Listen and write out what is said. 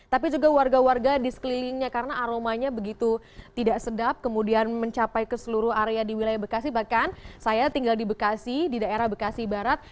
tapi juga warga warga di sekelilingnya karena aromanya begitu tidak sedap kemudian mencapai ke seluruh area di wilayah bekasi bahkan saya tinggal di bekasi di daerah bekasi barat